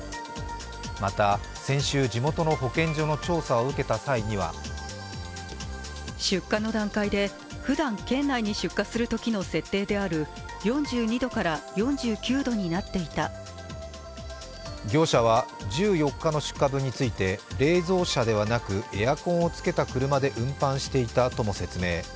また、先週、地元の保健所の調査を受けた際には業者は１４日の出荷分について冷蔵車ではなくエアコンをつけた車で運搬していたとも説明。